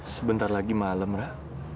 sebentar lagi malam ram